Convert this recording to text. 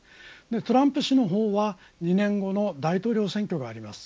トランプ氏の方は２年後の大統領選挙があります。